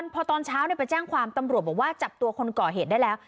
พอตอนเช้าไปแจ้งความตำรวจบอกว่าจับตัวคนก่อเหตุได้แล้ว